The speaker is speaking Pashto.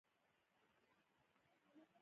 خصوصي سکتور ته د ودې زمینه برابریږي.